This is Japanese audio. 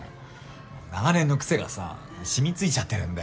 長年の癖がさ染みついちゃってるんだよ。